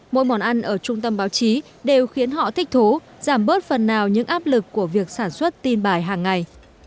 mỗi món ăn ở trung tâm báo chí đều khiến họ thích thú giảm bớt phần nào những áp lực của việc sản xuất tin bài hàng ngày